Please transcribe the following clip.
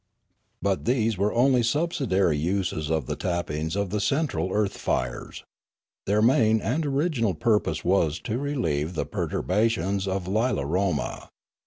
But these were only subsidiary uses of the tappings of the central earth fires. Their main and original purpose was to relieve the perturbations of Ularoma.